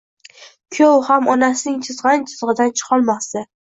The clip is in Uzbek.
Kuyov ham onasining chizgan chizig`idan chiqolmasdi